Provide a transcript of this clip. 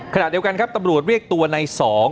ขณะเดียวกันครับตำรวจเรียกตัวใน๒